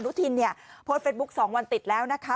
นุทินเนี่ยโพสต์เฟซบุ๊ค๒วันติดแล้วนะคะ